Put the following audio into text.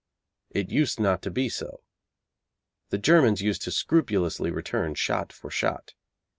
It used not to be so. The Germans used to scrupulously return shot for shot.